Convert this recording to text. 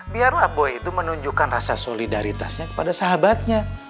biarlah buaya itu menunjukkan rasa solidaritasnya kepada sahabatnya